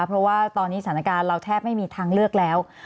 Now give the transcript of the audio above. เพราะว่าตอนนี้สถานการณ์เราแทบไม่มีทางเลือกแล้ว